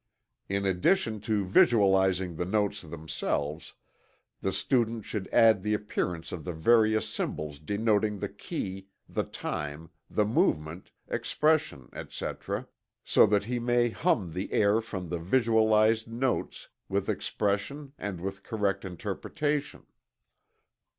In addition to visualizing the notes themselves, the student should add the appearance of the various symbols denoting the key, the time, the movement, expression, etc., so that he may hum the air from the visualized notes, with expression and with correct interpretation.